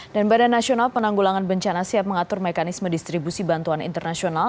dan badan nasional penanggulangan bencana siap mengatur mekanisme distribusi bantuan internasional